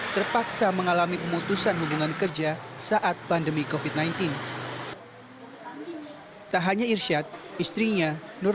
terpaksa mengalami pemutusan hubungan kerja saat pandemi kofit sembilan belas tak hanya irsyad istrinya nur